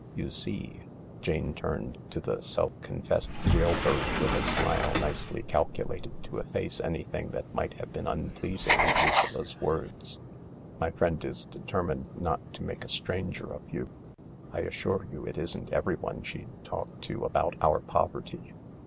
" You see "—Jane turned to the self confessed jail bird with a smile nicely calculated to efface anything that might bave been unpleasing in Lucilla 's words —" my friend is deter THE LARK 109 mined not to make a stranger of you. I assure you it isn't everyone she'd talk to about our poverty."